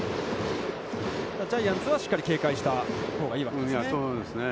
ジャイアンツはしっかり警戒したほうがいいわけですね。